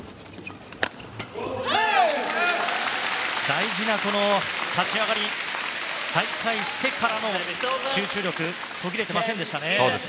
大事な立ち上がり再開してからの集中力途切れていませんでしたね。